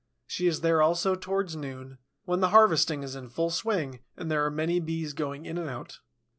She is there also towards noon, when the harvesting is in full swing and there are many Bees going in and out.